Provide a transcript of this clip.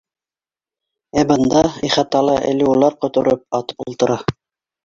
Ә бында, ихатала, әле улар ҡотороп атып ултыра.